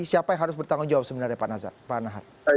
siapa yang harus bertanggung jawab sebenarnya pak nahar